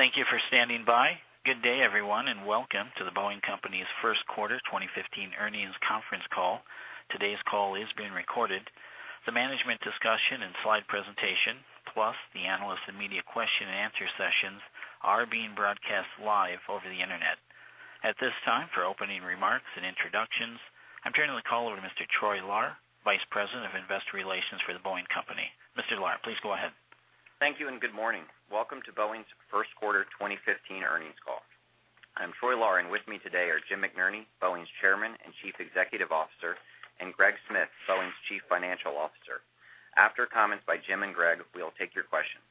Thank you for standing by. Good day, everyone, and welcome to The Boeing Company's first quarter 2015 earnings conference call. Today's call is being recorded. The management discussion and slide presentation, plus the analyst and media question and answer sessions are being broadcast live over the internet. At this time, for opening remarks and introductions, I'm turning the call over to Mr. Troy Lahr, Vice President of Investor Relations for The Boeing Company. Mr. Lahr, please go ahead. Thank you, and good morning. Welcome to Boeing's first quarter 2015 earnings call. I'm Troy Lahr, and with me today are Jim McNerney, Boeing's Chairman and Chief Executive Officer, and Greg Smith, Boeing's Chief Financial Officer. After comments by Jim and Greg, we'll take your questions.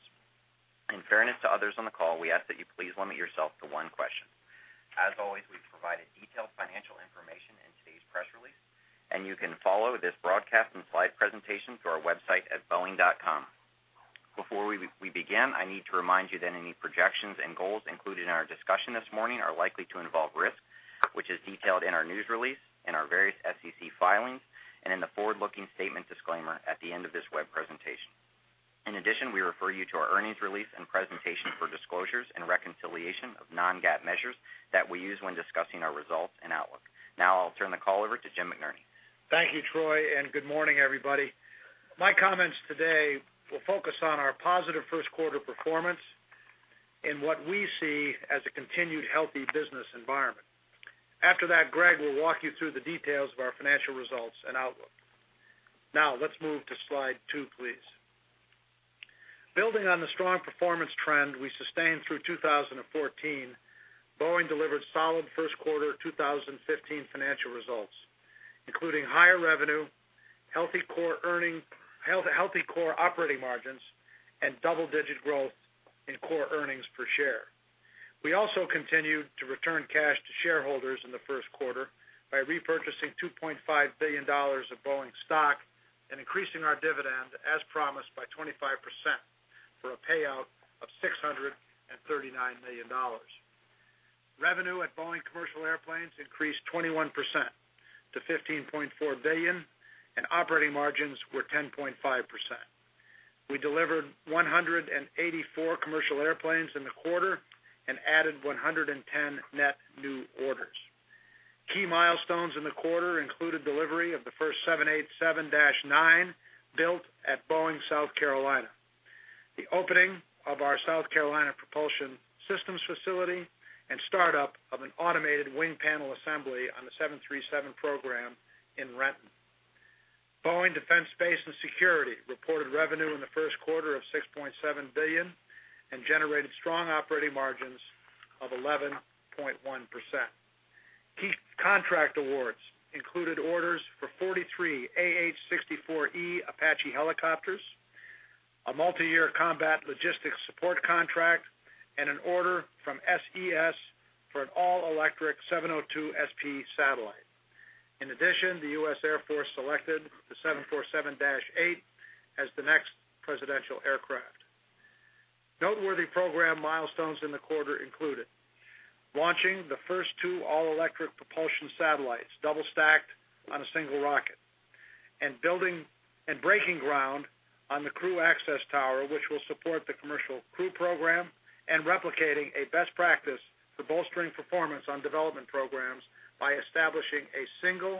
In fairness to others on the call, we ask that you please limit yourself to one question. As always, we've provided detailed financial information in today's press release, and you can follow this broadcast and slide presentation through our website at boeing.com. Before we begin, I need to remind you that any projections and goals included in our discussion this morning are likely to involve risk, which is detailed in our news release, in our various SEC filings, and in the forward-looking statement disclaimer at the end of this web presentation. In addition, we refer you to our earnings release and presentation for disclosures and reconciliation of non-GAAP measures that we use when discussing our results and outlook. Now, I'll turn the call over to Jim McNerney. Thank you, Troy, and good morning, everybody. My comments today will focus on our positive first quarter performance and what we see as a continued healthy business environment. After that, Greg will walk you through the details of our financial results and outlook. Now, let's move to slide two, please. Building on the strong performance trend we sustained through 2014, Boeing delivered solid first quarter 2015 financial results, including higher revenue, healthy core operating margins, and double-digit growth in core earnings per share. We also continued to return cash to shareholders in the first quarter by repurchasing $2.5 billion of Boeing stock and increasing our dividend, as promised, by 25%, for a payout of $639 million. Revenue at Boeing Commercial Airplanes increased 21% to $15.4 billion, and operating margins were 10.5%. We delivered 184 commercial airplanes in the quarter and added 110 net new orders. Key milestones in the quarter included delivery of the first 787-9 built at Boeing South Carolina, the opening of our South Carolina propulsion systems facility, and startup of an automated wing panel assembly on the 737 program in Renton. Boeing Defense, Space & Security reported revenue in the first quarter of $6.7 billion and generated strong operating margins of 11.1%. Key contract awards included orders for 43 AH-64E Apache helicopters, a multiyear combat logistics support contract, and an order from SES for an all-electric 702SP satellite. In addition, the U.S. Air Force selected the 747-8 as the next presidential aircraft. Noteworthy program milestones in the quarter included launching the first two all-electric propulsion satellites, double-stacked on a single rocket, and breaking ground on the crew access tower, which will support the Commercial Crew Program, and replicating a best practice for bolstering performance on development programs by establishing a single,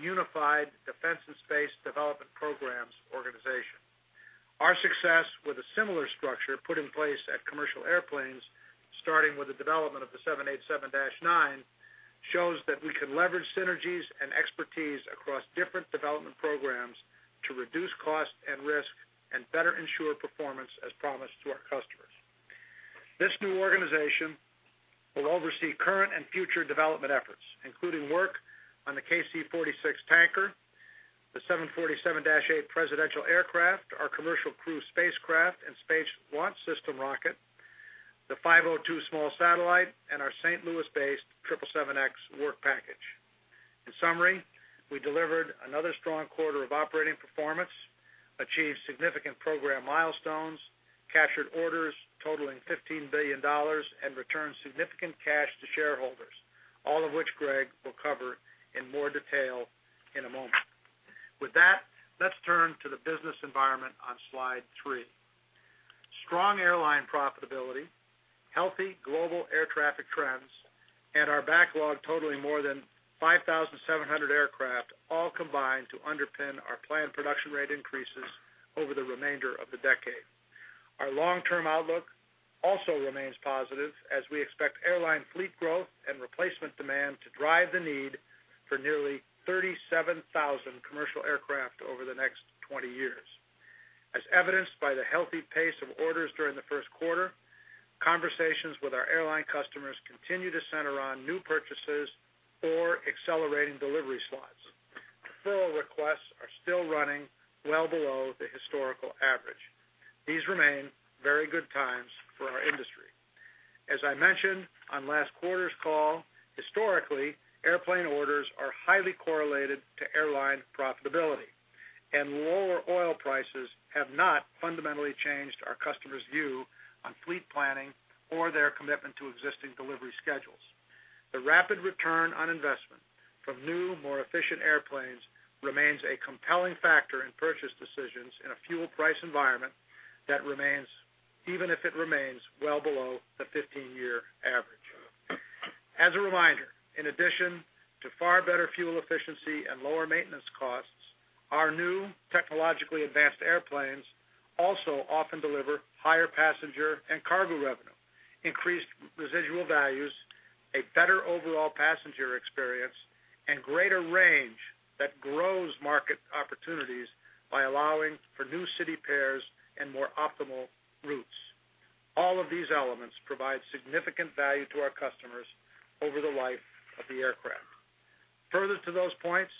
unified defense and space development programs organization. Our success with a similar structure put in place at commercial airplanes, starting with the development of the 787-9, shows that we can leverage synergies and expertise across different development programs to reduce cost and risk and better ensure performance as promised to our customers. This new organization will oversee current and future development efforts, including work on the KC-46 tanker, the 747-8 presidential aircraft, our commercial crew spacecraft, and Space Launch System rocket, the 502 small satellite, and our St. Louis-based 777X work package. In summary, we delivered another strong quarter of operating performance, achieved significant program milestones, captured orders totaling $15 billion, and returned significant cash to shareholders, all of which Greg will cover in more detail in a moment. With that, let's turn to the business environment on slide three. Strong airline profitability, healthy global air traffic trends, and our backlog totaling more than 5,700 aircraft all combine to underpin our planned production rate increases over the remainder of the decade. Our long-term outlook also remains positive, as we expect airline fleet growth and replacement demand to drive the need for nearly 37,000 commercial aircraft over the next 20 years. As evidenced by the healthy pace of orders during the first quarter, conversations with our airline customers continue to center on new purchases or accelerating delivery slots. Deferral requests are still running well below the historical average. These remain very good times for our industry. As I mentioned on last quarter's call, historically, airplane orders are highly correlated to airline profitability, and lower oil prices have not fundamentally changed our customers' views Fleet planning or their commitment to existing delivery schedules. The rapid return on investment from new, more efficient airplanes remains a compelling factor in purchase decisions in a fuel price environment, even if it remains well below the 15-year average. As a reminder, in addition to far better fuel efficiency and lower maintenance costs, our new technologically advanced airplanes also often deliver higher passenger and cargo revenue, increased residual values, a better overall passenger experience, and greater range that grows market opportunities by allowing for new city pairs and more optimal routes. All of these elements provide significant value to our customers over the life of the aircraft. Further to those points,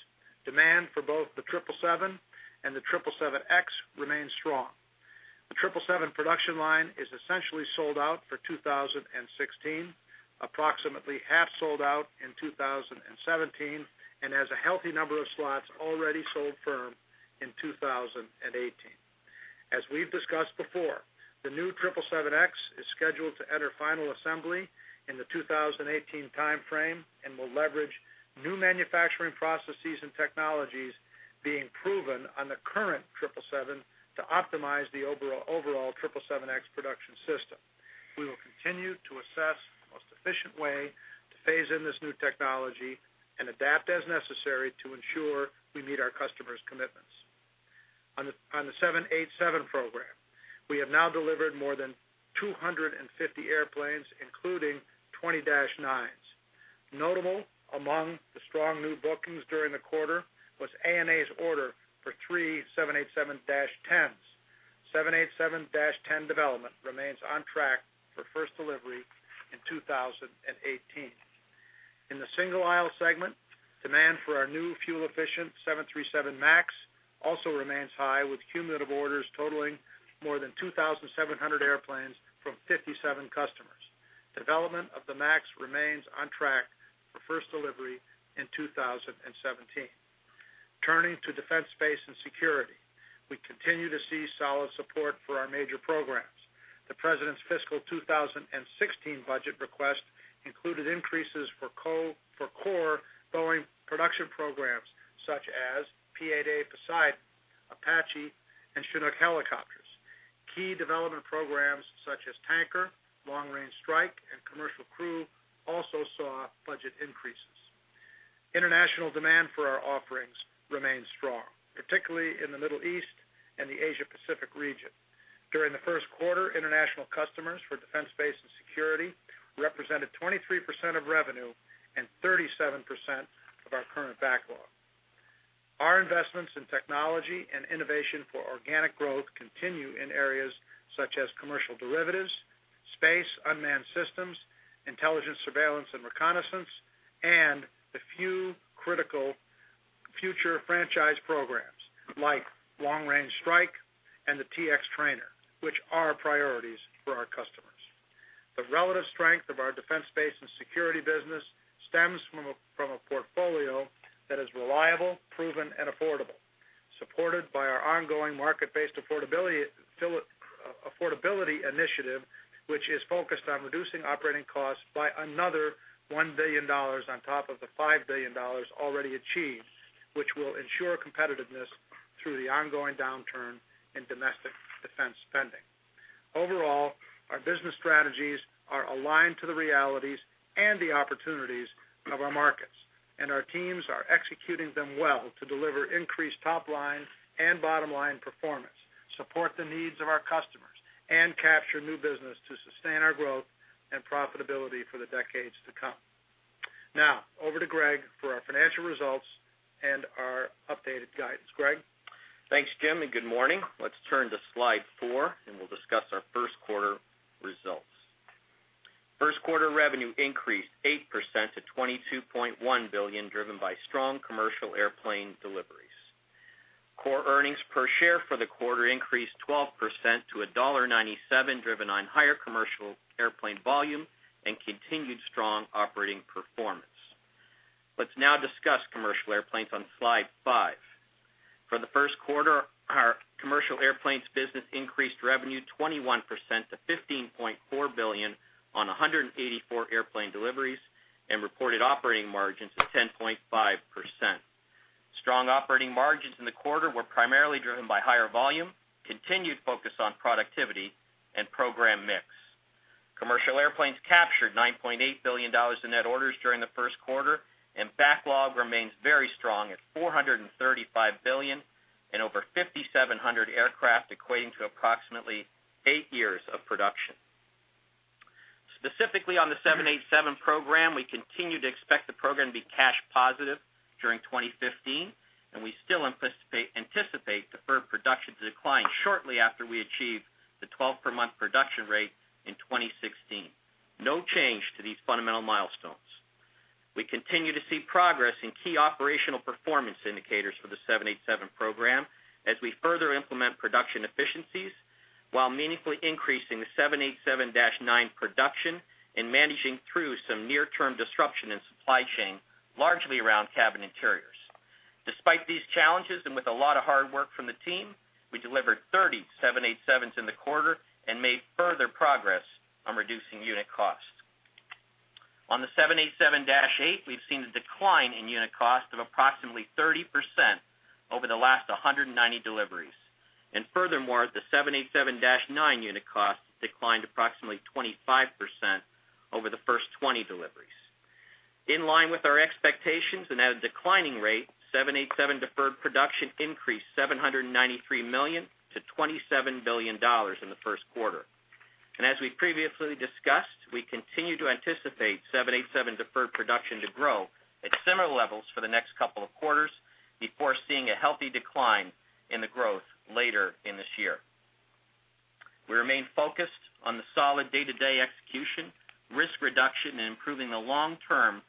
demand for both the 777 and the 777X remains strong. The 777 production line is essentially sold out for 2016, approximately half sold out in 2017, and has a healthy number of slots already sold firm in 2018. As we've discussed before, the new 777X is scheduled to enter final assembly in the 2018 timeframe and will leverage new manufacturing processes and technologies being proven on the current 777 to optimize the overall 777X production system. We will continue to assess the most efficient way to phase in this new technology and adapt as necessary to ensure we meet our customers' commitments. On the 787 program, we have now delivered more than 250 airplanes, including 20 787-9s. Notable among the strong new bookings during the quarter was ANA's order for three 787-10s. 787-10 development remains on track for first delivery in 2018. In the single-aisle segment, demand for our new fuel-efficient 737 MAX also remains high, with cumulative orders totaling more than 2,700 airplanes from 57 customers. Development of the MAX remains on track for first delivery in 2017. Turning to defense, space, and security, we continue to see solid support for our major programs. The president's fiscal 2016 budget request included increases for core Boeing production programs such as P-8A Poseidon, Apache, and Chinook helicopters. Key development programs such as Tanker, Long Range Strike, and Commercial Crew also saw budget increases. International demand for our offerings remains strong, particularly in the Middle East and the Asia Pacific region. During the first quarter, international customers for defense, space, and security represented 23% of revenue and 37% of our current backlog. Our investments in technology and innovation for organic growth continue in areas such as commercial derivatives, space, unmanned systems, intelligence, surveillance, and reconnaissance, and the few critical future franchise programs like Long Range Strike and the T-X trainer, which are priorities for our customers. The relative strength of our defense, space, and security business stems from a portfolio that is reliable, proven, and affordable, supported by our ongoing market-based affordability initiative, which is focused on reducing operating costs by another $1 billion on top of the $5 billion already achieved, which will ensure competitiveness through the ongoing downturn in domestic defense spending. Overall, our business strategies are aligned to the realities and the opportunities of our markets, and our teams are executing them well to deliver increased top-line and bottom-line performance, support the needs of our customers, and capture new business to sustain our growth and profitability for the decades to come. Now, over to Greg for our financial results and our updated guidance. Greg? Thanks, Jim, and good morning. Let's turn to slide four and we'll discuss our first quarter results. First quarter revenue increased 8% to $22.1 billion, driven by strong commercial airplane deliveries. Core earnings per share for the quarter increased 12% to $1.97, driven on higher commercial airplane volume and continued strong operating performance. Let's now discuss commercial airplanes on slide five. For the first quarter, our commercial airplanes business increased revenue 21% to $15.4 billion on 184 airplane deliveries and reported operating margins of 10.5%. Strong operating margins in the quarter were primarily driven by higher volume, continued focus on productivity, and program mix. Commercial airplanes captured $9.8 billion in net orders during the first quarter, backlog remains very strong at $435 billion and over 5,700 aircraft, equating to approximately eight years of production. Specifically on the 787 program, we continue to expect the program to be cash positive during 2015, we still anticipate deferred production to decline shortly after we achieve the 12-per-month production rate in 2016. No change to these fundamental milestones. We continue to see progress in key operational performance indicators for the 787 program as we further implement production efficiencies while meaningfully increasing the 787-9 production and managing through some near-term disruption in supply chain, largely around cabin interiors. Despite these challenges, with a lot of hard work from the team, we delivered 30 787s in the quarter and made further progress on reducing unit costs. On the 787-8, we've seen a decline in unit cost of approximately 30% over the last 190 deliveries. Furthermore, the 787-9 unit cost declined approximately 25% over the first 20 deliveries. In line with our expectations and at a declining rate, 787 deferred production increased $793 million to $27 billion in the first quarter. As we previously discussed, we continue to anticipate 787 deferred production to grow at similar levels for the next couple of quarters before seeing a healthy decline in the growth later in this year. We remain focused on the solid day-to-day execution, risk reduction, and improving the long-term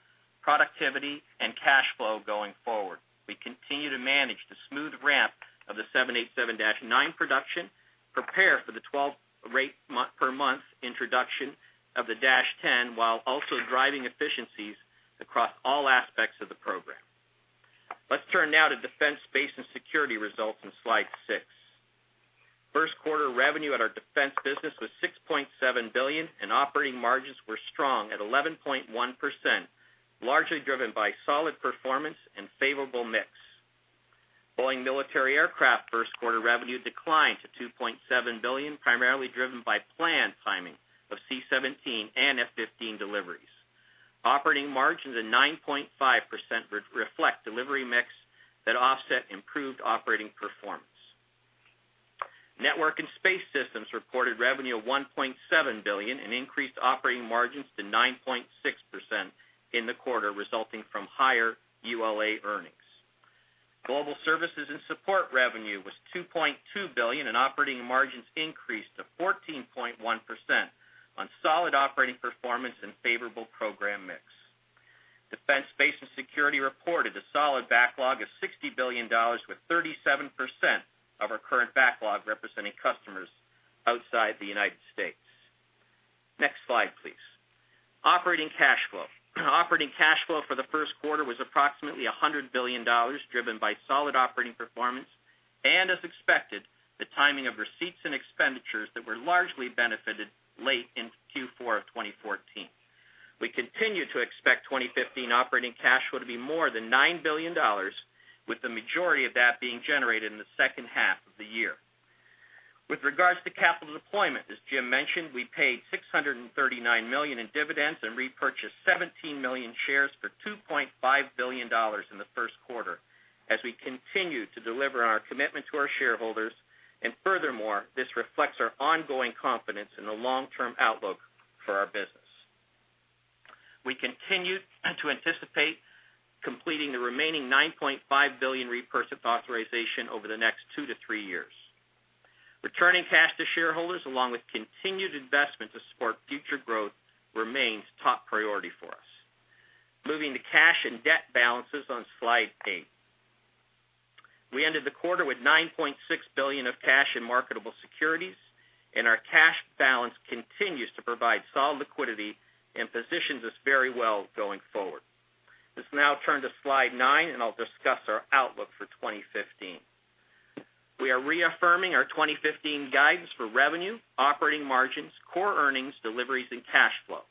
productivity and cash flow going forward. We continue to manage the smooth ramp of the 787-9 production, prepare for the 12 rate per month introduction of the -10, while also driving efficiencies across all aspects of the program. Let's turn now to Boeing Defense, Space & Security results on slide six. First quarter revenue at our defense business was $6.7 billion, operating margins were strong at 11.1%, largely driven by solid performance and favorable mix. Boeing Military Aircraft first quarter revenue declined to $2.7 billion, primarily driven by planned timing of C-17 and F-15 deliveries. Operating margins of 9.5% reflect delivery mix that offset improved operating performance. Network & Space Systems reported revenue of $1.7 billion increased operating margins to 9.6% in the quarter, resulting from higher ULA earnings. Global Services & Support revenue was $2.2 billion, operating margins increased to 14.1% on solid operating performance and favorable program mix. Boeing Defense, Space & Security reported a solid backlog of $60 billion, with 37% of our current backlog representing customers outside the United States. Next slide, please. Operating cash flow. Operating cash flow for the first quarter was approximately $100 billion, driven by solid operating performance, as expected, the timing of receipts and expenditures that were largely benefited late in Q4 of 2014. We continue to expect 2015 operating cash flow to be more than $9 billion, with the majority of that being generated in the second half of the year. With regards to capital deployment, as Jim mentioned, we paid $639 million in dividends and repurchased 17 million shares for $2.5 billion in the first quarter, as we continue to deliver on our commitment to our shareholders. Furthermore, this reflects our ongoing confidence in the long-term outlook for our business. We continue to anticipate completing the remaining $9.5 billion repurchase authorization over the next two to three years. Returning cash to shareholders, along with continued investment to support future growth, remains top priority for us. Moving to cash and debt balances on slide eight. We ended the quarter with $9.6 billion of cash in marketable securities. Our cash balance continues to provide solid liquidity and positions us very well going forward. Let's now turn to slide nine. I'll discuss our outlook for 2015. We are reaffirming our 2015 guidance for revenue, operating margins, core earnings, deliveries, and cash flow.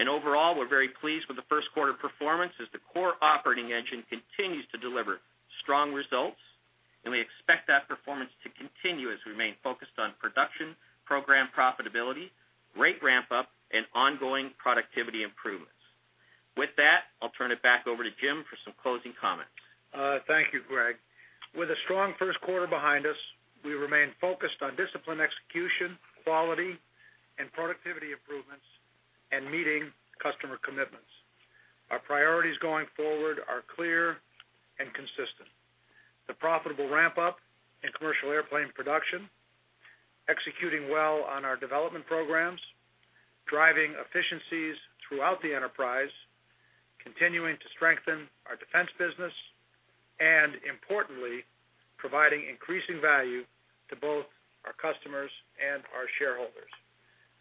Overall, we're very pleased with the first quarter performance as the core operating engine continues to deliver strong results, and we expect that performance to continue as we remain focused on production, program profitability, rate ramp-up, and ongoing productivity improvements. With that, I'll turn it back over to Jim for some closing comments. Thank you, Greg. With a strong first quarter behind us, we remain focused on disciplined execution, quality, and productivity improvements, and meeting customer commitments. Our priorities going forward are clear and consistent. The profitable ramp-up in commercial airplane production, executing well on our development programs, driving efficiencies throughout the enterprise, continuing to strengthen our defense business, and importantly, providing increasing value to both our customers and our shareholders.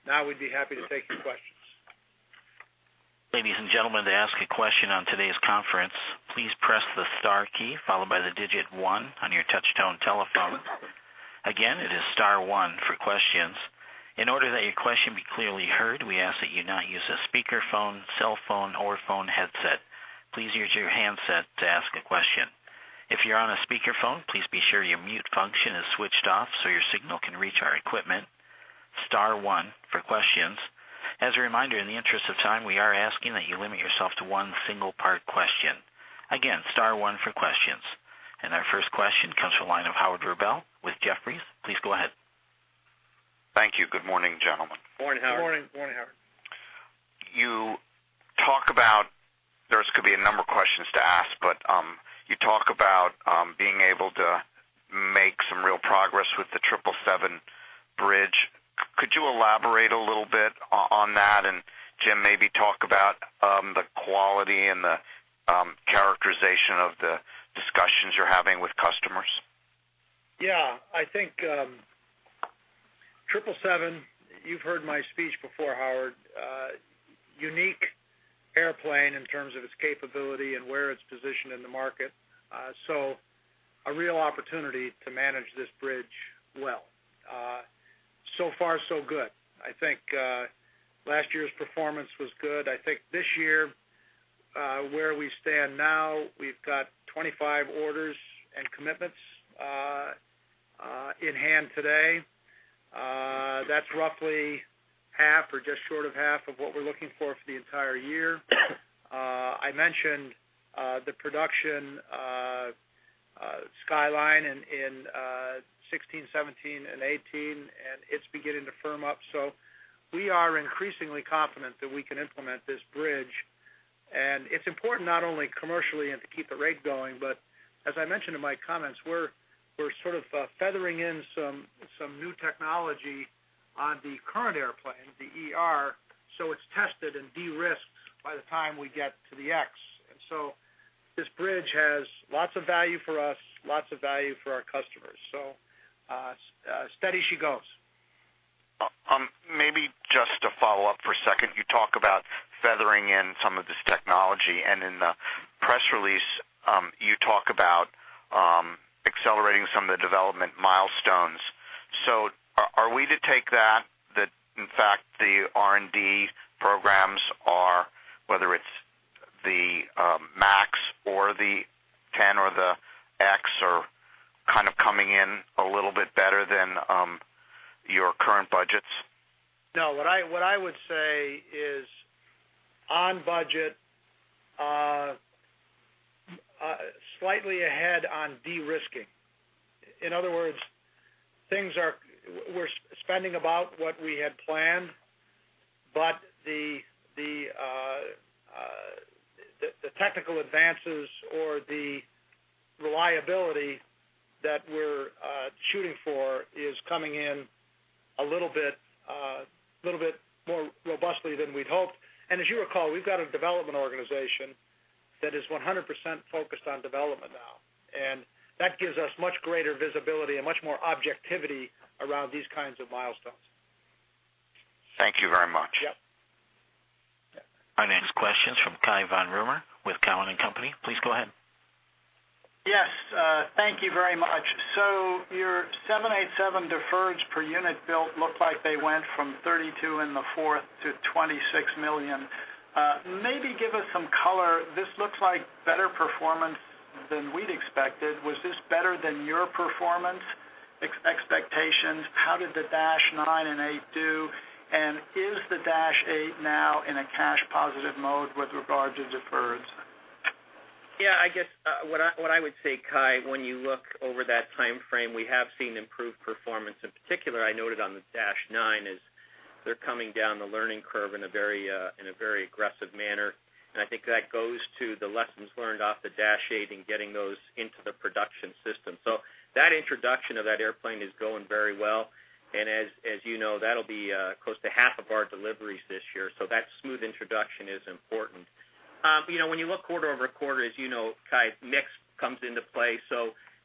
Now, we'd be happy to take your questions. Ladies and gentlemen, to ask a question on today's conference, please press the star key followed by the digit 1 on your touch-tone telephone. Again, it is star one for questions. In order that your question be clearly heard, we ask that you not use a speakerphone, cell phone, or phone headset. Please use your handset to ask a question. If you're on a speakerphone, please be sure your mute function is switched off so your signal can reach our equipment. Star one for questions. As a reminder, in the interest of time, we are asking that you limit yourself to one single-part question. Again, star one for questions. Our first question comes from the line of Howard Rubel with Jefferies. Please go ahead. Thank you. Good morning, gentlemen. Morning, Howard. Morning. Morning, Howard. There could be a number of questions to ask, but you talk about being able to make some real progress with the Boeing 777 bridge. Could you elaborate a little bit on that? Jim, maybe talk about the quality and the characterization of the discussions you're having I think 777, you've heard my speech before, Howard, unique airplane in terms of its capability and where it's positioned in the market. A real opportunity to manage this bridge well. So far so good. I think last year's performance was good. I think this year, where we stand now, we've got 25 orders and commitments in hand today. That's roughly half or just short of half of what we're looking for for the entire year. I mentioned the production skyline in 2016, 2017, and 2018, and it's beginning to firm up. We are increasingly confident that we can implement this bridge. It's important not only commercially and to keep the rate going, but as I mentioned in my comments, we're sort of feathering in some new technology on the current airplane, the ER, so it's tested and de-risked by the time we get to the X. This bridge has lots of value for us, lots of value for our customers. Steady she goes. Maybe just to follow up for a second. You talk about feathering in some of this technology, and in the press release, you talk about accelerating some of the development milestones. Are we to take that in fact, the R&D programs are, whether it's the MAX or the 10 or the X, are kind of coming in a little bit better than your current budgets? No. What I would say is on budget, slightly ahead on de-risking. In other words, we're spending about what we had planned, but the technical advances or the reliability that we're shooting for is coming in a little bit more robustly than we'd hoped. As you recall, we've got a development organization that is 100% focused on development now, and that gives us much greater visibility and much more objectivity around these kinds of milestones. Thank you very much. Yep. Our next question's from Cai von Rumohr with Cowen and Company. Please go ahead. Yes, thank you very much. Your 787 deferreds per unit built looked like they went from $32 million in the fourth to $26 million. Maybe give us some color. This looks like better performance than we'd expected. Was this better than your performance expectations? How did the -9 and 8 do? Is the -8 now in a cash positive mode with regard to deferreds? What I would say, Cai, when you look over that timeframe, we have seen improved performance. In particular, I noted on the -9 as they're coming down the learning curve in a very aggressive manner, I think that goes to the lessons learned off the -8 and getting those into the production system. That introduction of that airplane is going very well, as you know, that'll be close to half of our deliveries this year. That smooth introduction is important. When you look quarter-over-quarter, as you know, Cai, mix comes into play.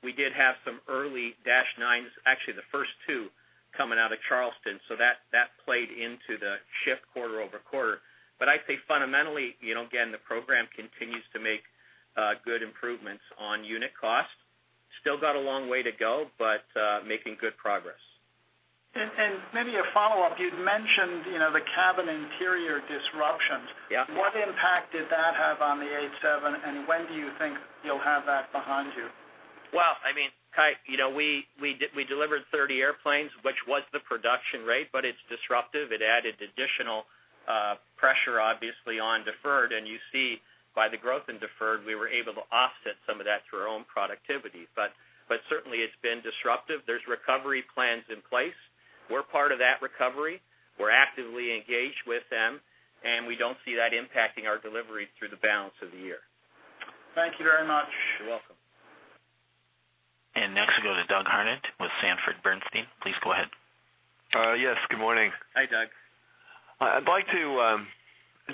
We did have some early -9s, actually the first two coming out of Charleston. That played into the shift quarter-over-quarter. I'd say fundamentally, again, the program continues to make good improvements on unit cost. Still got a long way to go, making good progress. Maybe a follow-up. You'd mentioned the cabin interior disruptions. Yeah. What impact did that have on the 87, when do you think you'll have that behind you? Well, I mean, Cai, we delivered 30 airplanes, which was the production rate, but it's disruptive. It added additional pressure, obviously, on deferred. You see by the growth in deferred, we were able to offset some of that through our own productivity. Certainly, it's been disruptive. There's recovery plans in place. We're part of that recovery. We're actively engaged with them, and we don't see that impacting our deliveries through the balance of the year. Thank you very much. You're welcome. Next we go to Doug Harned with Sanford Bernstein. Please go ahead. Yes, good morning. Hi, Doug. I'd like to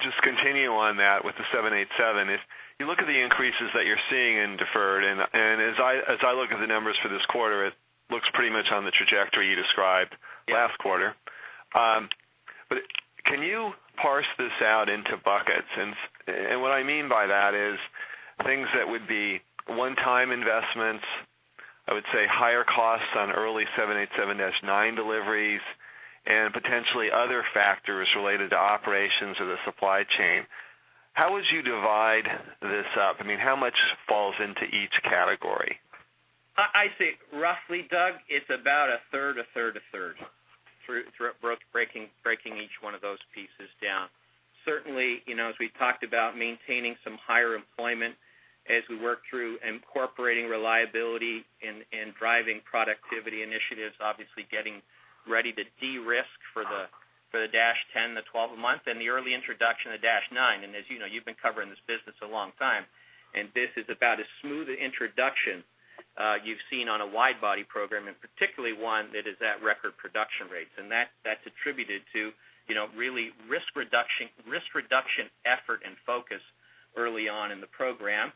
just continue on that with the Boeing 787. If you look at the increases that you're seeing in deferred, as I look at the numbers for this quarter, it looks pretty much on the trajectory you described last quarter. Yeah. Can you parse this out into buckets? What I mean by that is things that would be one-time investments, I would say higher costs on early Boeing 787-9 deliveries, and potentially other factors related to operations or the supply chain. How would you divide this up? How much falls into each category? I'd say roughly, Doug, it's about a third, a third, a third, breaking each one of those pieces down. Certainly, as we talked about maintaining some higher employment as we work through incorporating reliability and driving productivity initiatives, obviously getting ready to de-risk for the Boeing 787-10, the 12 a month, and the early introduction of Boeing 787-9. As you know, you've been covering this business a long time, this is about as smooth an introduction you've seen on a wide-body program, and particularly one that is at record production rates. That's attributed to really risk reduction Focus early on in the program.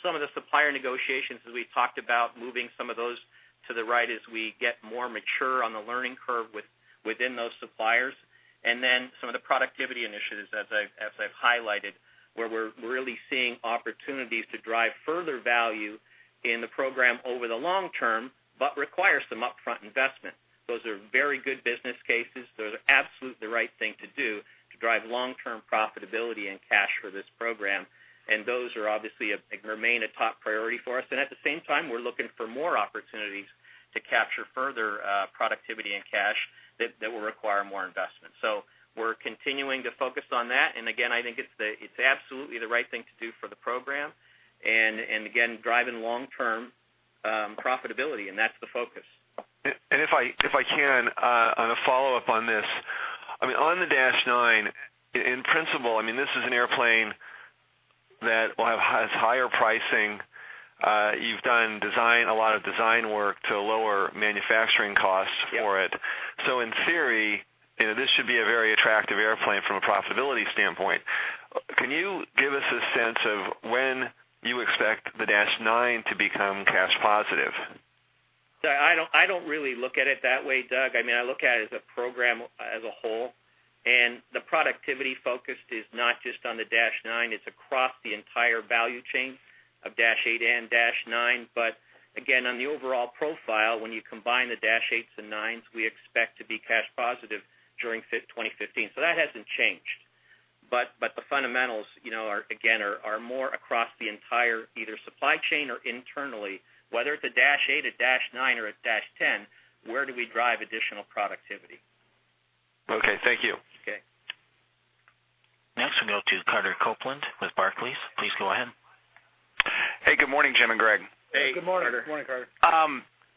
Some of the supplier negotiations, as we talked about, moving some of those to the right as we get more mature on the learning curve within those suppliers. Some of the productivity initiatives, as I've highlighted, where we're really seeing opportunities to drive further value in the program over the long term, but requires some upfront investment. Those are very good business cases. Those are absolutely the right thing to do to drive long-term profitability and cash for this program, and those obviously remain a top priority for us. At the same time, we're looking for more opportunities to capture further productivity and cash that will require more investment. We're continuing to focus on that, and again, I think it's absolutely the right thing to do for the program, and again, driving long-term profitability, and that's the focus. If I can, on a follow-up on this. On the Dash 9, in principle, this is an airplane that has higher pricing. You've done a lot of design work to lower manufacturing costs for it. Yes. In theory, this should be a very attractive airplane from a profitability standpoint. Can you give us a sense of when you expect the Dash 9 to become cash positive? I don't really look at it that way, Doug. I look at it as a program as a whole, the productivity focus is not just on the Dash 9, it's across the entire value chain of Dash 8 and Dash 9. Again, on the overall profile, when you combine the Dash 8s and 9s, we expect to be cash positive during 2015. That hasn't changed. The fundamentals are more across the entire either supply chain or internally, whether it's a Dash 8, a Dash 9, or a Dash 10, where do we drive additional productivity? Okay, thank you. Okay. Next, we'll go to Carter Copeland with Barclays. Please go ahead. Hey, good morning, Jim and Greg. Hey. Good morning, Carter.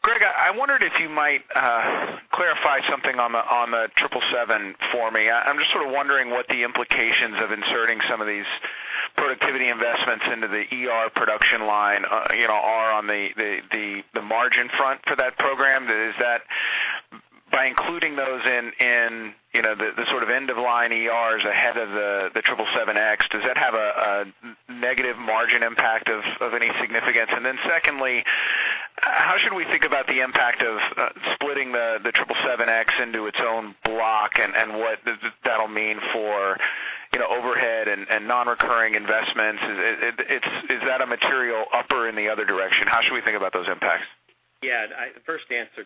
Greg, I wondered if you might clarify something on the 777 for me. I'm just sort of wondering what the implications of inserting some of these productivity investments into the ER production line are on the margin front for that program. By including those in the sort of end of line ERs ahead of the 777X, does that have a negative margin impact of any significance? Secondly, how should we think about the impact of splitting the 777X into its own block and what that'll mean for overhead and non-recurring investments? Is that a material uplift in the other direction? How should we think about those impacts? The answer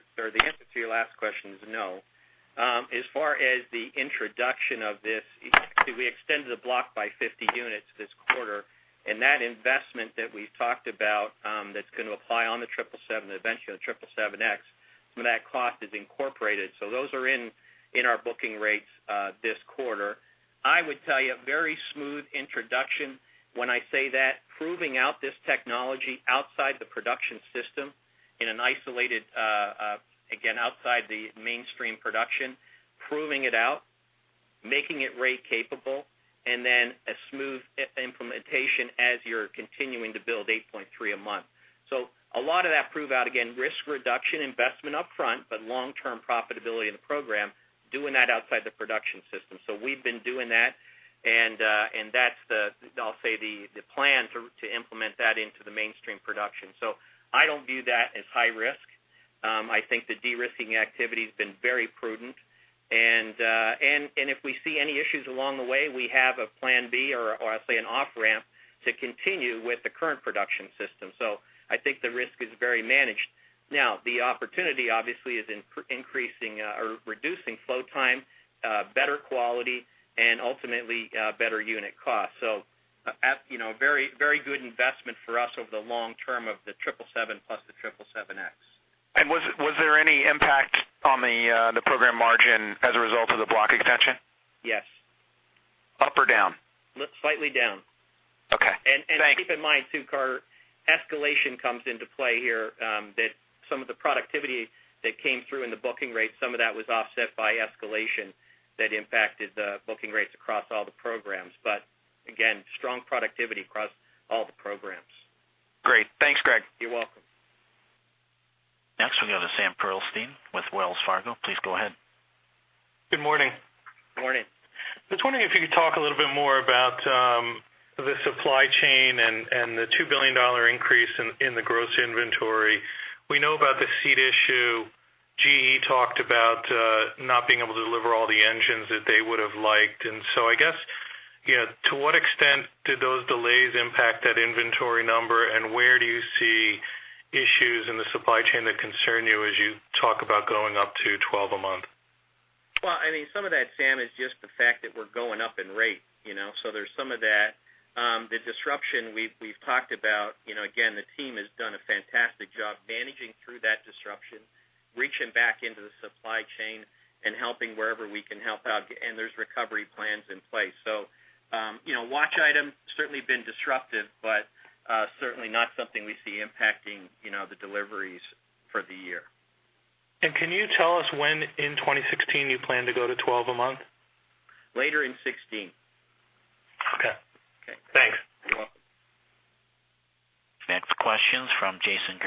to your last question is no. As far as the introduction of this, we extended the block by 50 units this quarter, that investment that we've talked about that's going to apply on the 777, eventually on the 777X, some of that cost is incorporated. Those are in our booking rates this quarter. I would tell you, a very smooth introduction. When I say that, proving out this technology outside the production system in an isolated, again, outside the mainstream production, proving it out, making it rate capable, then a smooth implementation as you're continuing to build 8.3 a month. A lot of that prove out, again, risk reduction, investment upfront, but long-term profitability in the program, doing that outside the production system. We've been doing that, and that's, I'll say, the plan to implement that into the mainstream production. I don't view that as high risk. I think the de-risking activity has been very prudent, and if we see any issues along the way, we have a plan B or I'll say an off-ramp to continue with the current production system. I think the risk is very managed. Now, the opportunity, obviously, is reducing flow time, better quality, and ultimately, better unit cost. A very good investment for us over the long term of the 777 plus the 777X. Was there any impact on the program margin as a result of the block extension? Yes. Up or down? Slightly down. Okay, thanks. Keep in mind too, Carter, escalation comes into play here, that some of the productivity that came through in the booking rates, some of that was offset by escalation that impacted the booking rates across all the programs. Again, strong productivity across all the programs. Great. Thanks, Greg. You're welcome. Next we go to Sam Pearlstein with Wells Fargo. Please go ahead. Good morning. Morning. I was wondering if you could talk a little bit more about the supply chain and the $2 billion increase in the gross inventory. We know about the seat issue. GE talked about not being able to deliver all the engines that they would've liked. I guess, to what extent did those delays impact that inventory number, and where do you see issues in the supply chain that concern you as you talk about going up to 12 a month? Well, some of that, Sam, is just the fact that we're going up in rate. There's some of that. The disruption we've talked about, again, the team has done a fantastic job managing through that disruption, reaching back into the supply chain, and helping wherever we can help out, and there's recovery plans in place. Watch item, certainly been disruptive, but certainly not something we see impacting the deliveries for the year. Can you tell us when in 2016 you plan to go to 12 a month? Later in 2016. Okay. Okay. Thanks. You're welcome. Next question's from Jason.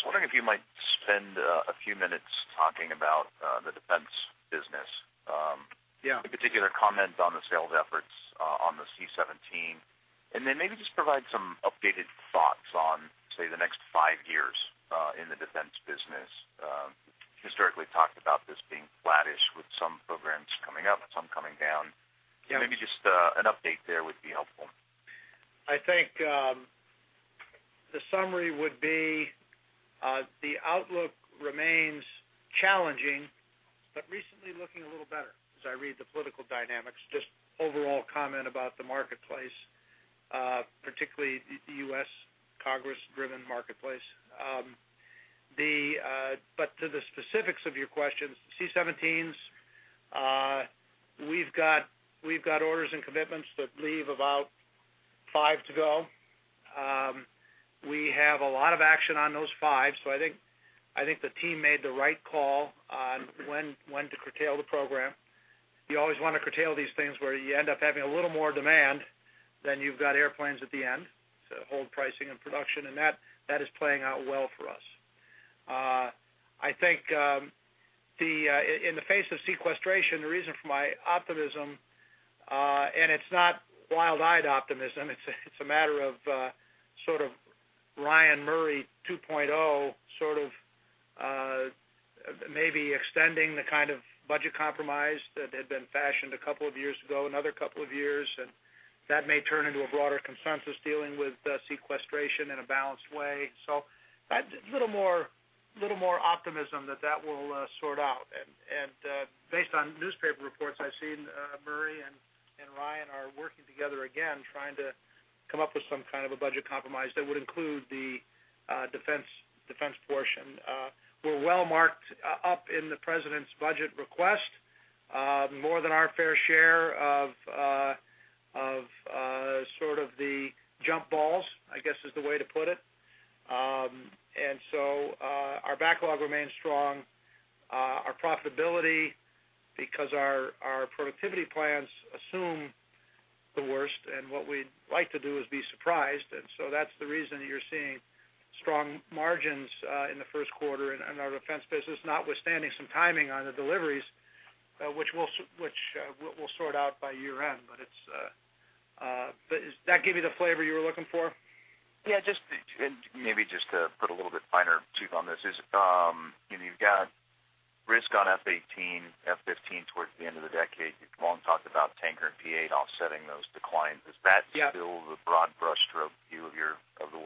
I'm wondering if you might spend a few minutes talking about the defense business. Yeah. In particular, comment on the sales efforts on the C-17, and then maybe just provide some updated thoughts on, say, the next five years in the defense business. Historically talked about this being flattish with some programs coming up and some coming down. Yeah. Maybe just an update there would be helpful. I think the summary would be the outlook remains challenging, recently looking a little better as I read the political dynamics, just overall comment about the marketplace, particularly the U.S. Congress driven marketplace. To the specifics of your questions, C-17s, we've got orders and commitments that leave about five to go. We have a lot of action on those five, I think the team made the right call on when to curtail the program. You always want to curtail these things where you end up having a little more demand than you've got airplanes at the end to hold pricing and production, and that is playing out well for us. I think, in the face of sequestration, the reason for my optimism, and it's not wild-eyed optimism, it's a matter of sort of Ryan-Murray 2.0, sort of, maybe extending the kind of budget compromise that had been fashioned a couple of years ago, another couple of years, and that may turn into a broader consensus dealing with sequestration in a balanced way. A little more optimism that that will sort out, and based on newspaper reports I've seen, Murray and Ryan are working together again, trying to come up with some kind of a budget compromise that would include the defense portion. We're well marked up in the president's budget request, more than our fair share of sort of the jump balls, I guess, is the way to put it. Our backlog remains strong. Our profitability, because our productivity plans assume the worst, what we'd like to do is be surprised, That's the reason you're seeing strong margins, in the first quarter in our defense business, notwithstanding some timing on the deliveries, which we'll sort out by year-end. Does that give you the flavor you were looking for? Yeah, maybe just to put a little bit finer tooth on this is, you've got risk on F-18, F-15 towards the end of the decade. You've long talked about Tanker and P-8 offsetting those declines. Yeah. Is that still the broad brushstroke view of the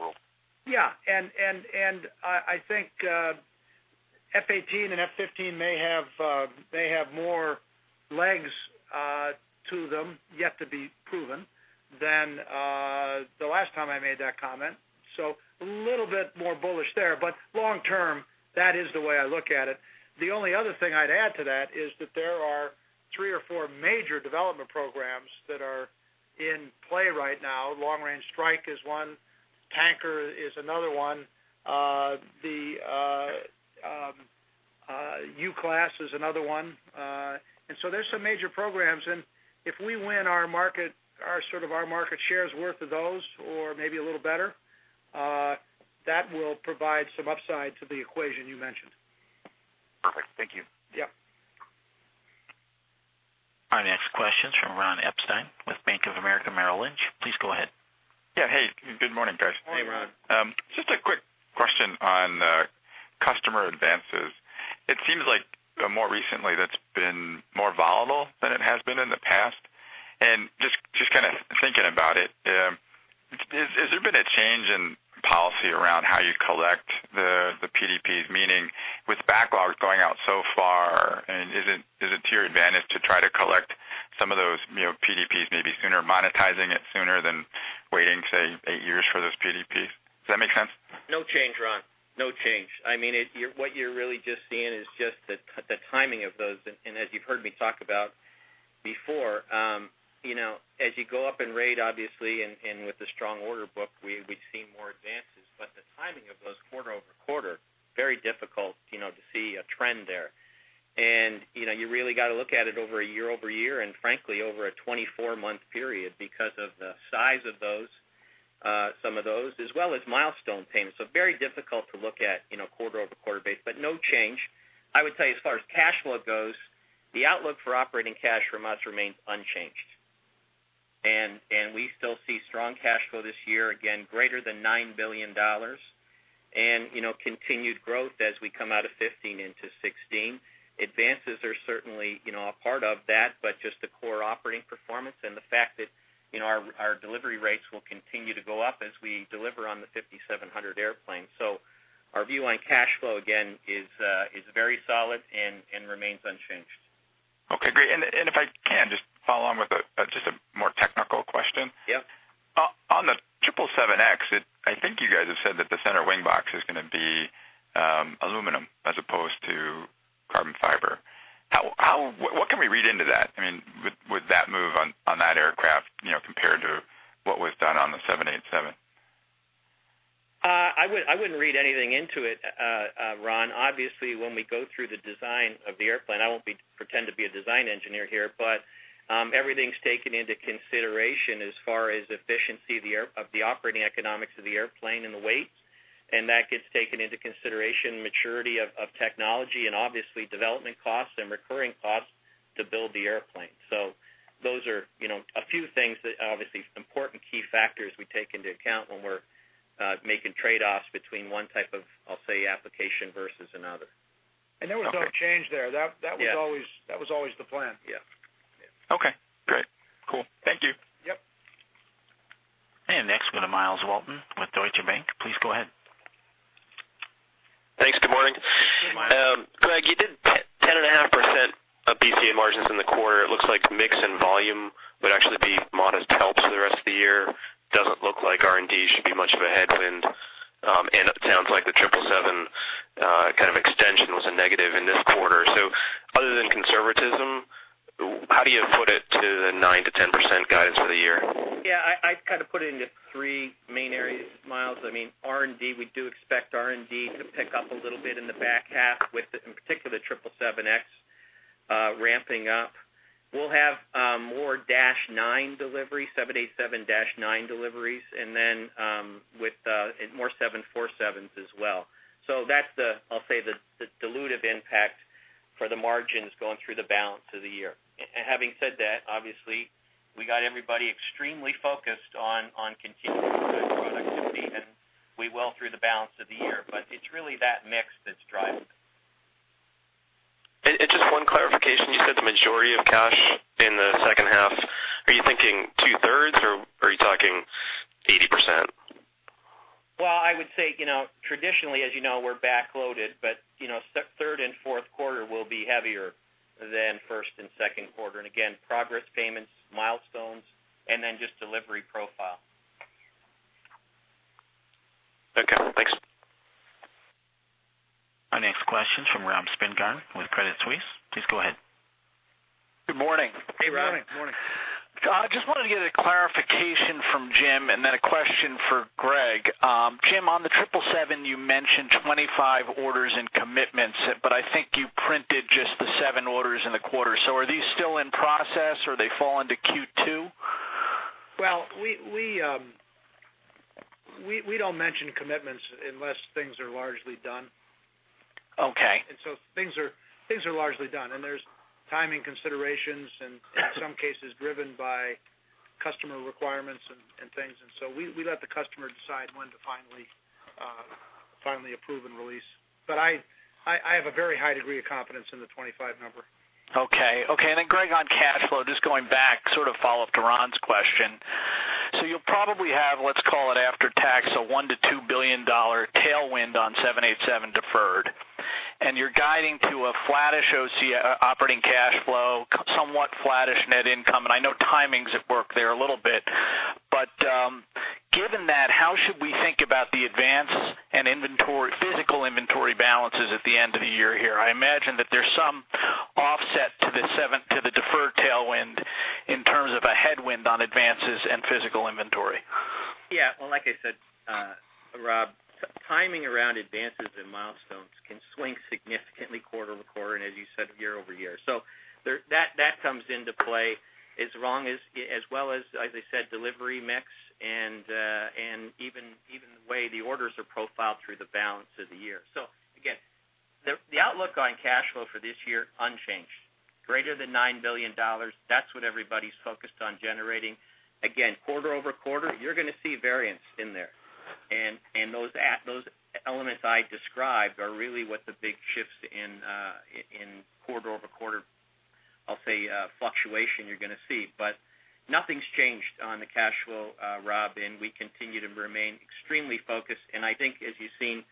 world? I think F-18 and F-15 may have more legs to them, yet to be proven, than the last time I made that comment. A little bit more bullish there, but long term, that is the way I look at it. The only other thing I'd add to that is that there are three or four major development programs that are in play right now. Long Range Strike is one, Tanker is another one. The UCLASS is another one. There's some major programs, and if we win our market share's worth of those, or maybe a little better, that will provide some upside to the equation you mentioned. Perfect. Thank you. Yeah. Our next question is from Ronald Epstein with Bank of America Merrill Lynch. Please go ahead. Yeah. Hey, good morning, guys. Morning, Ron. Just kind of thinking about it, has there been a change in policy around how you collect the PDPs, meaning with backlogs going out so far, and is it to your advantage to try to collect some of those PDPs maybe sooner, monetizing it sooner than waiting, say, eight years for those PDPs? Does that make sense? No change, Ron. No change. What you're really just seeing is just the timing of those, as you've heard me talk about before, as you go up in rate, obviously, with the strong order book, we've seen more advances. The timing of those quarter-over-quarter, very difficult to see a trend there. You really got to look at it over a year-over-year and frankly, over a 24-month period because of the size of some of those, as well as milestone payments. Very difficult to look at quarter-over-quarter base, but no change. I would tell you as far as cash flow goes, the outlook for operating cash remains unchanged. We still see strong cash flow this year, again, greater than $9 billion. Continued growth as we come out of 2015 into 2016. Advances are certainly a part of that, just the core operating performance and the fact that our delivery rates will continue to go up as we deliver on the 5,700 airplanes. Our view on cash flow, again, is very solid and remains unchanged. Okay, great. If I can just follow on with just a more technical question. Yeah. On the 777X, I think you guys have said that the center wing box is going to be aluminum as opposed to carbon fiber. What can we read into that? With that move on that aircraft, compared to what was done on the 787. I wouldn't read anything into it, Ron. When we go through the design of the airplane, I won't pretend to be a design engineer here, everything's taken into consideration as far as efficiency of the operating economics of the airplane and the weight. That gets taken into consideration, maturity of technology and obviously development costs and recurring costs to build the airplane. Those are a few things that, obviously, important key factors we take into account when we're making trade-offs between one type of, I'll say, application versus another. There was no change there. Yeah. That was always the plan. Yeah. Okay, great. Cool. Thank you. Yep. Next we go to Myles Walton with Deutsche Bank. Please go ahead. Thanks. Good morning. Good morning. Greg, you did 10.5% of BCA margins in the quarter. It looks like mix and volume would actually be modest helps for the rest of the year. Doesn't look like R&D should be much of a headwind. It sounds like the 777 kind of extension was a negative in this quarter. Other than conservatism, how do you put it to the 9%-10% guidance for the year? Yeah, I kind of put it into three main areas, Myles. R&D, we do expect R&D to pick up a little bit in the back half with, in particular, the 777X ramping up. We'll have more dash nine deliveries, 787-9 deliveries, and then more 747s as well. That's the, I'll say, the dilutive impact for the margins going through the balance of the year. Having said that, obviously, we got everybody extremely focused on continuing good productivity, and we will through the balance of the year. It's really that mix that's driving it. Just one clarification, you said the majority of cash in the second half, are you thinking two-thirds, or are you talking 80%? Well, I would say, traditionally, as you know, we're back-loaded, but third and fourth quarter will be heavier than first and second quarter. Again, progress payments, milestones, and then just delivery profile. Okay, thanks. Our next question's from Ram Spingarn with Credit Suisse. Please go ahead. Good morning. Hey, Ram. Good morning. I just wanted to get a clarification from Jim and then a question for Greg. Jim, on the 777, you mentioned 25 orders in commitments, but I think you printed just the seven orders in the quarter. Are these still in process, or they fall into Q2? Well, we don't mention commitments unless things are largely done. Okay. Things are largely done, and there's timing considerations. Got it. in some cases driven by customer requirements and things. We let the customer decide when to finally approve and release. I have a very high degree of confidence in the 25 number. Okay. Greg, on cash flow, just going back, sort of follow-up to Ron's question. You'll probably have, let's call it after-tax, a $1 billion-$2 billion tailwind on 787 deferred, and you're guiding to a flattish OC operating cash flow, somewhat flattish net income, and I know timings at work there a little bit. Given that, how should we think about the advance and physical inventory balances at the end of the year here? I imagine that there's some offset to the deferred tailwind in terms of a headwind on advances and physical inventory. Yeah. Well, like I said, Rob, timing around advances in milestones can swing significantly quarter-over-quarter, and as you said, year-over-year. That comes into play as well as I said, delivery mix and even the way the orders are profiled through the balance of the year. Again, the outlook on cash flow for this year, unchanged, greater than $9 billion. That's what everybody's focused on generating. Again, quarter-over-quarter, you're going to see variance in there, and those elements I described are really what the big shifts in quarter-over-quarter, I'll say, fluctuation you're going to see. Nothing's changed on the cash flow, Rob, and we continue to remain extremely focused, and I think as you've seen,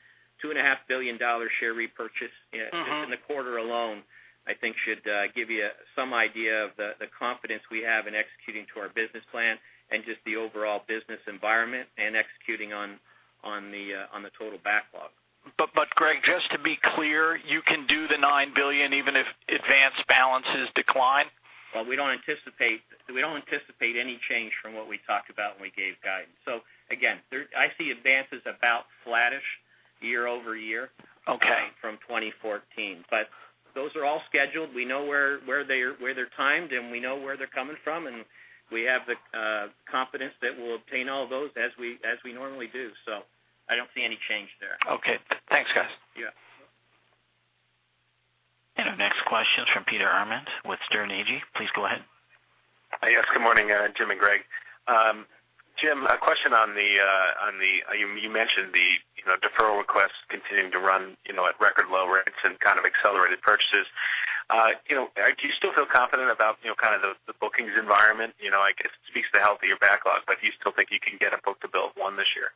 $2.5 billion share repurchase- just in the quarter alone, I think should give you some idea of the confidence we have in executing to our business plan and just the overall business environment and executing on the total backlog. Greg, just to be clear, you can do the $9 billion even if advanced balances decline? Well, we don't anticipate any change from what we talked about when we gave guidance. Again, I see advances about flattish year-over-year. Okay From 2014. Those are all scheduled. We know where they're timed, and we know where they're coming from, and we have the confidence that we'll obtain all those as we normally do. I don't see any change there. Okay, thanks, guys. Yeah. Our next question is from Peter Arment with Sterne Agee. Please go ahead. Yes, good morning, Jim and Greg. Jim, a question on the, you mentioned the deferral requests continuing to run at record low rates and kind of accelerated purchases. Do you still feel confident about the bookings environment? I guess it speaks to the health of your backlog, but do you still think you can get a book-to-bill of one this year?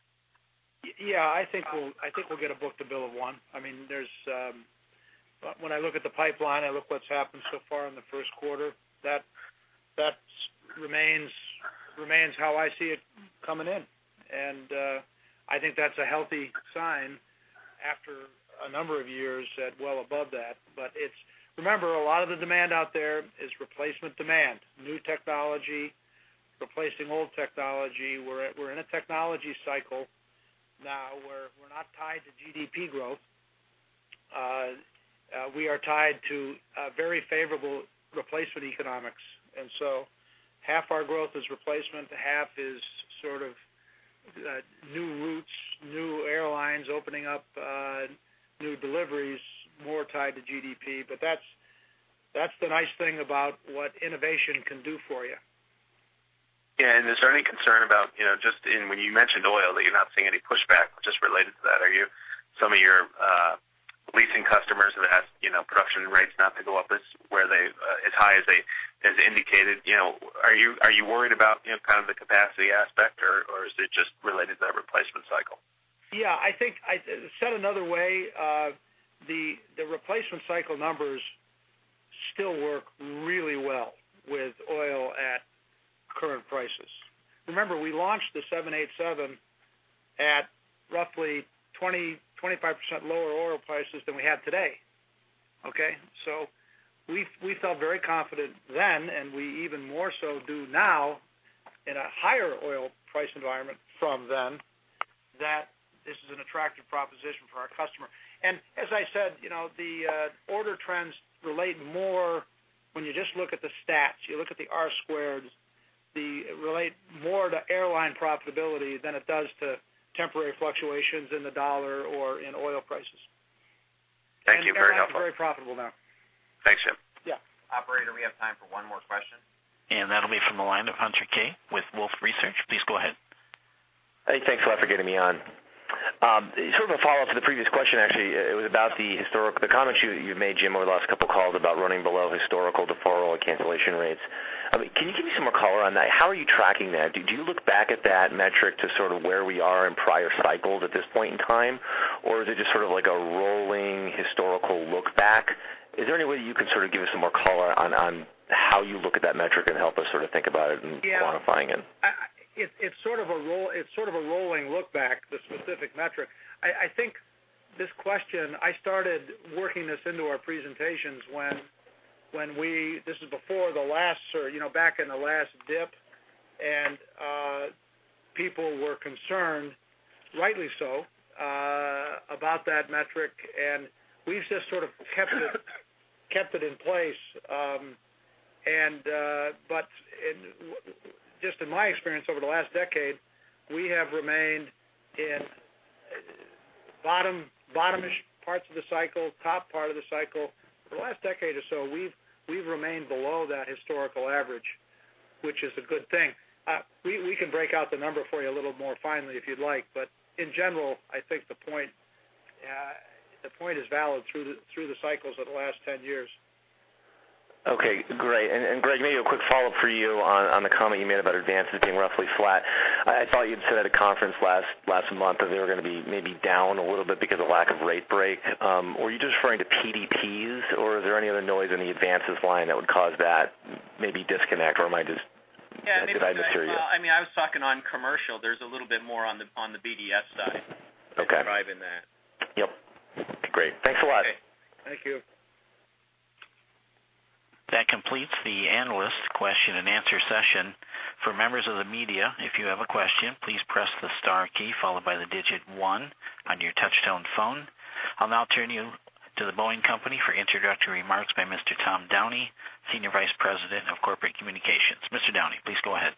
Yeah, I think we'll get a book-to-bill of one. When I look at the pipeline, I look at what's happened so far in the first quarter, that remains how I see it coming in. I think that's a healthy sign after a number of years at well above that. Remember, a lot of the demand out there is replacement demand, new technology, replacing old technology. We're in a technology cycle now where we're not tied to GDP growth. We are tied to very favorable replacement economics. So half our growth is replacement, half is sort of new routes, new airlines opening up, new deliveries, more tied to GDP. That's the nice thing about what innovation can do for you. Yeah. Is there any concern about, just when you mentioned oil, that you're not seeing any pushback just related to that. Some of your leasing customers have had production rates not to go up as high as indicated. Are you worried about the capacity aspect, or is it just related to that replacement cycle? Yeah, I think, said another way, the replacement cycle numbers still work really well with oil at current prices. Remember, we launched the 787 at roughly 20%-25% lower oil prices than we have today. Okay. We felt very confident then, and we even more so do now in a higher oil price environment from then, that this is an attractive proposition for our customer. As I said, the order trends relate more when you just look at the stats, you look at the R-squareds, relate more to airline profitability than it does to temporary fluctuations in the dollar or in oil prices. Thank you. Very helpful. Very profitable now. Thanks, Jim. Yeah. Operator, we have time for one more question. That'll be from the line of Hunter Keay with Wolfe Research. Please go ahead. Hey, thanks a lot for getting me on. Sort of a follow-up to the previous question, actually. It was about the comments you've made, Jim, over the last couple of calls about running below historical deferral or cancellation rates. Can you give me some more color on that? How are you tracking that? Do you look back at that metric to sort of where we are in prior cycles at this point in time? Or is it just sort of like a rolling historical look back? Is there any way you could sort of give us some more color on how you look at that metric and help us sort of think about it and quantifying it? Yeah. It's sort of a rolling look back, the specific metric. I think this question, I started working this into our presentations when we, this was back in the last dip, and people were concerned, rightly so, about that metric, and we've just sort of kept it in place. Just in my experience over the last decade, we have remained in bottom-ish parts of the cycle, top part of the cycle. For the last decade or so, we've remained below that historical average, which is a good thing. We can break out the number for you a little more finely if you'd like. In general, I think the point is valid through the cycles of the last 10 years. Great. Greg, maybe a quick follow-up for you on the comment you made about advances being roughly flat. I thought you'd said at a conference last month that they were going to be maybe down a little bit because of lack of rate break. Were you just referring to PDPs, or is there any other noise in the advances line that would cause that maybe disconnect, or did I mishear you? Yeah, I mean, I was talking on commercial. There's a little bit more on the BDS side. Okay driving that. Yep. Great. Thanks a lot. Okay. Thank you. That completes the analyst question and answer session. For members of the media, if you have a question, please press the star key followed by the digit 1 on your touchtone phone. I'll now turn you to The Boeing Company for introductory remarks by Mr. Tom Downey, Senior Vice President of Corporate Communications. Mr. Downey, please go ahead.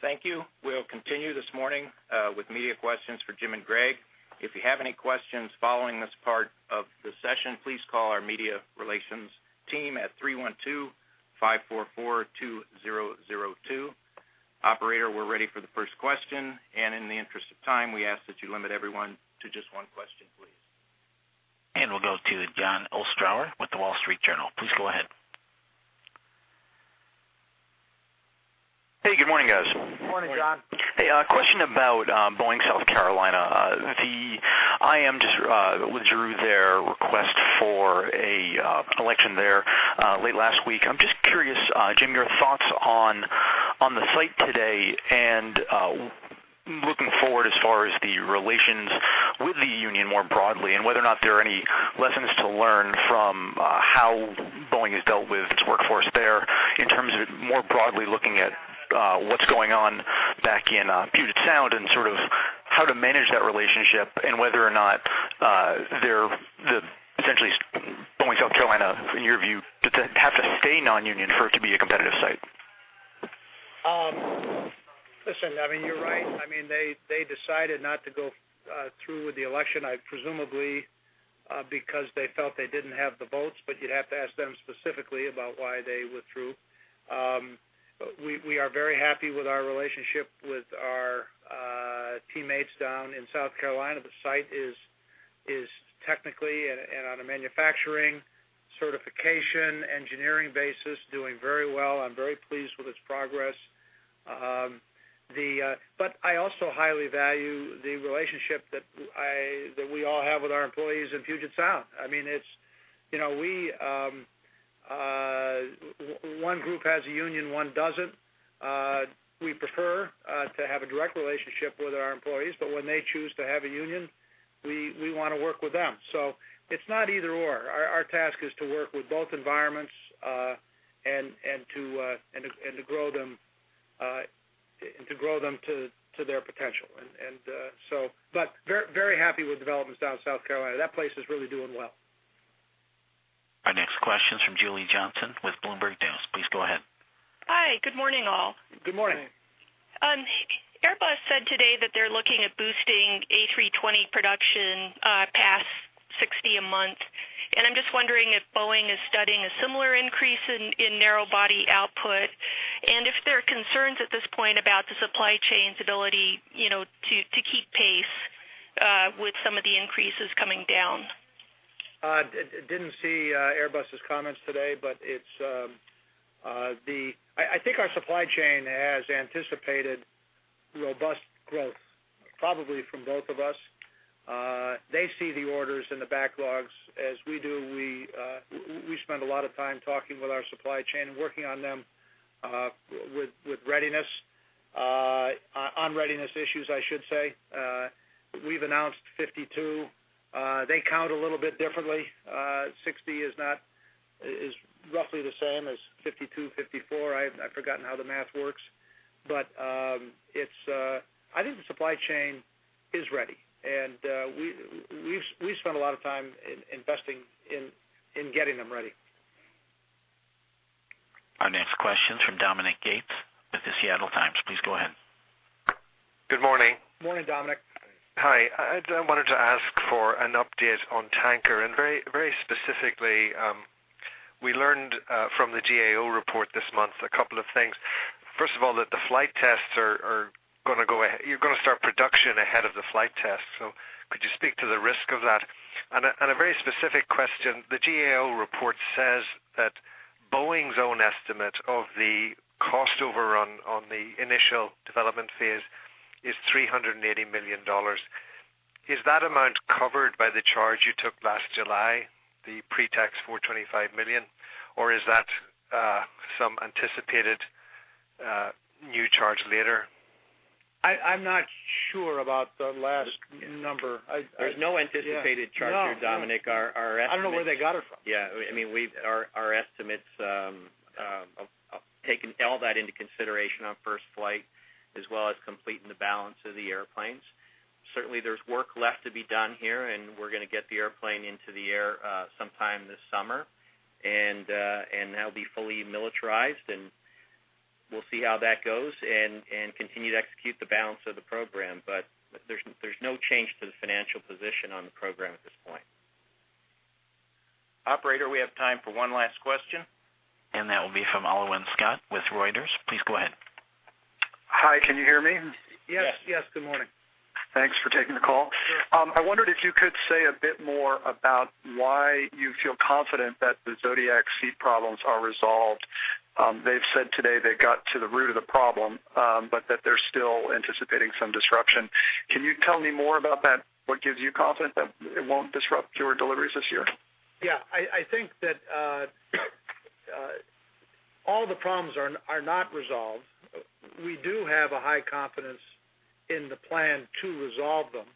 Thank you. We'll continue this morning with media questions for Jim and Greg. If you have any questions following this part of the session, please call our media relations team at 312-544-2002. Operator, we're ready for the first question, in the interest of time, we ask that you limit everyone to just one question, please. We'll go to Jon Ostrower with "The Wall Street Journal." Please go ahead. Hey, good morning, guys. Morning, Jon. Hey, a question about Boeing South Carolina. The IAM withdrew their request for a election there late last week. I'm just curious, Jim, your thoughts on the site today and looking forward as far as the relations with the union more broadly, and whether or not there are any lessons to learn from how Boeing has dealt with its workforce there in terms of more broadly looking at what's going on back in Puget Sound and sort of how to manage that relationship and whether or not, essentially, Boeing South Carolina, in your view, would have to stay non-union for it to be a competitive site. Listen, you're right. They decided not to go through with the election, presumably because they felt they didn't have the votes, you'd have to ask them specifically about why they withdrew. We are very happy with our relationship with our teammates down in South Carolina. The site is technically and on a manufacturing, certification, engineering basis, doing very well. I'm very pleased with its progress. I also highly value the relationship that we all have with our employees in Puget Sound. One group has a union, one doesn't. We prefer to have a direct relationship with our employees, but when they choose to have a union, we want to work with them. It's not either/or. Our task is to work with both environments, and to grow them to their potential. Very happy with developments down in South Carolina. That place is really doing well. Our next question is from Julie Johnsson with Bloomberg News. Please go ahead. Hi, good morning all. Good morning. Airbus said today that they're looking at boosting A320 production past 60 a month. I'm just wondering if Boeing is studying a similar increase in narrow body output. If there are concerns at this point about the supply chain's ability to keep pace with some of the increases coming down. Didn't see Airbus's comments today. I think our supply chain has anticipated robust growth, probably from both of us. They see the orders and the backlogs as we do. We spend a lot of time talking with our supply chain and working on them with readiness, on readiness issues, I should say. We've announced 52. They count a little bit differently. 60 is roughly the same as 52, 54. I've forgotten how the math works. I think the supply chain is ready. We've spent a lot of time investing in getting them ready. Our next question's from Dominic Gates with The Seattle Times. Please go ahead. Good morning. Morning, Dominic. Hi. I wanted to ask for an update on Tanker, very specifically, we learned from the GAO report this month, a couple of things. First of all, that the flight tests, you're going to start production ahead of the flight test. Could you speak to the risk of that? A very specific question, the GAO report says that Boeing's own estimate of the cost overrun on the initial development phase is $380 million. Is that amount covered by the charge you took last July, the pre-tax $425 million, or is that some anticipated new charge later? I'm not sure about the last number. There's no anticipated charge there, Dominic. I don't know where they got it from. Yeah. Our estimates have taken all that into consideration on first flight, as well as completing the balance of the airplanes. Certainly, there's work left to be done here, and we're going to get the airplane into the air sometime this summer, and that'll be fully militarized, and we'll see how that goes and continue to execute the balance of the program. There's no change to the financial position on the program at this point. Operator, we have time for one last question. That will be from Alwyn Scott with Reuters. Please go ahead. Hi, can you hear me? Yes. Good morning. Thanks for taking the call. I wondered if you could say a bit more about why you feel confident that the Zodiac seat problems are resolved. They've said today they got to the root of the problem, but that they're still anticipating some disruption. Can you tell me more about that? What gives you confidence that it won't disrupt your deliveries this year? Yeah, I think that all the problems are not resolved. We do have a high confidence in the plan to resolve them.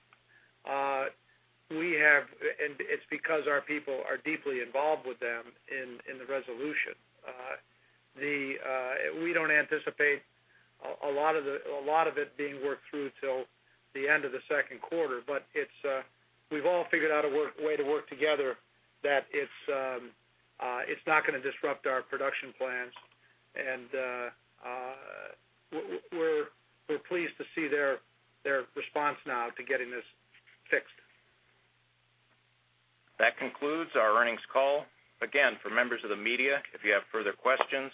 It's because our people are deeply involved with them in the resolution. We don't anticipate a lot of it being worked through till the end of the second quarter, but we've all figured out a way to work together that it's not going to disrupt our production plans. We're pleased to see their response now to getting this fixed. That concludes our earnings call. Again, for members of the media, if you have further questions,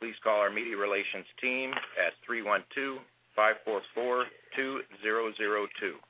please call our media relations team at 312-544-2002. Thank you.